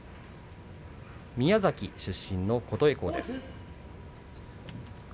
宮崎出身の琴恵光です。